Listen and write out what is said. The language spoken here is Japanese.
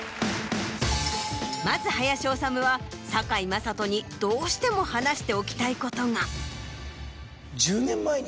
まず林修は堺雅人にどうしても話しておきたいことが。